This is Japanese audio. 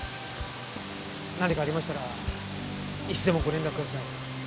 何かありましたらいつでもご連絡ください。